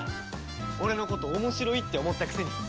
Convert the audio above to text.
俺のこと面白いって思ったくせに。